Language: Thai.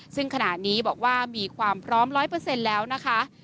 ซึ่งขณะนี้บอกว่ามีความพร้อมร้อยเปอร์เซ็นต์แล้วนะคะ